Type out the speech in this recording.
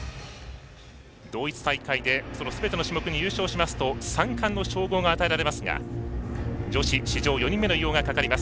同一大会ですべての種目に優勝しますと三冠の称号が与えられますが女子史上４人目の偉業がかかります。